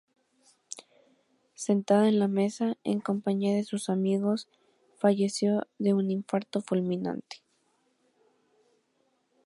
Sentada en la mesa, en compañía de sus amigos, falleció de un infarto fulminante.